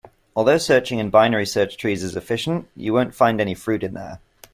Although searching in binary search trees is efficient, you won't find any fruit in there.